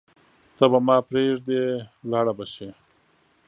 ته به ما پریږدې ولاړه به شې